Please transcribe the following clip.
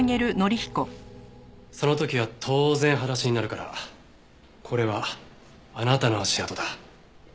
その時は当然裸足になるからこれはあなたの足跡だ。